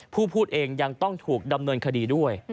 พูดเองยังต้องถูกดำเนินคดีด้วย